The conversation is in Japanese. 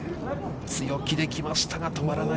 強気できましたが、止まらない。